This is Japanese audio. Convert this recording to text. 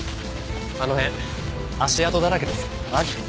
あの辺足跡だらけですよ。